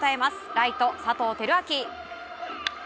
ライト、佐藤輝明。